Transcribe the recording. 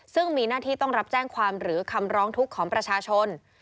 ซึ่งมีหน้าที่ต้องรับแจ้งความหรือคำร้องทุกข์ของประชาชน